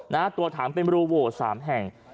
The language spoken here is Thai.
ตัวถังเป็นรูโหวสามแห่ง